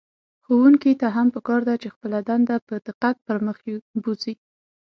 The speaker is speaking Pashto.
ښوونکي ته هم په کار ده چې خپله دنده په دقت پر مخ بوځي.